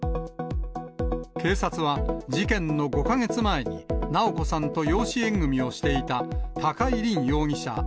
警察は、事件の５か月前に直子さんと養子縁組みをしていた、高井凜容疑者